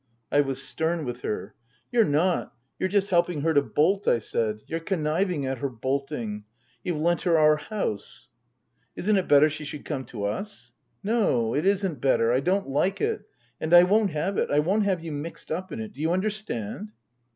I was stern with her. " You're not. You're just helping her to bolt," I said. " You're conniving at her bolting. You've lent her our house." " Isn't it better she should come to us ?"" No, it isn't better. I don't like it. And I won't have it. I won't have you mixed up in it. Do you under stand